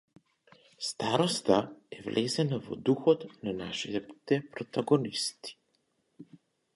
Староста е влезена во духот на нашите протагонисти.